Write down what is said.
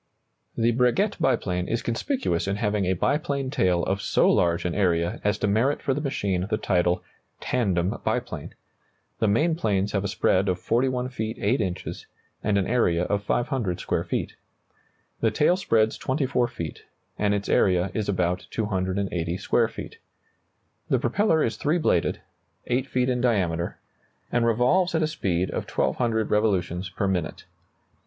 The Breguet biplane is conspicuous in having a biplane tail of so large an area as to merit for the machine the title "tandem biplane." The main planes have a spread of 41 feet 8 inches, and an area of 500 square feet. The tail spreads 24 feet, and its area is about 280 square feet. The propeller is three bladed, 8 feet in diameter, and revolves at a speed of 1,200 revolutions per minute.